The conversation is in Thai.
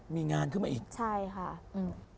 มีงานขึ้นมาอีกใช่ค่ะอืม